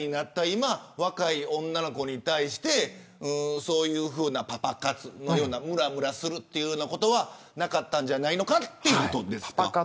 今若い女の子に対してそういうふうな、パパ活のようなむらむらすることはなかったんじゃないかなということですか。